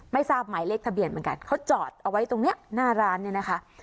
ไม่ทราบหมายเลขทะเบียนเหมือนกันเขาจอดเอาไว้ตรงนี้หน้าร้านเนี่ยนะคะ